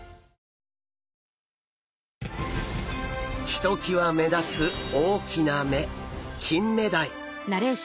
ひときわ目立つ大きな目キンメダイ。